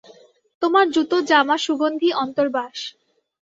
তোমার জুতো, জামা, সুগন্ধী, অন্তর্বাস।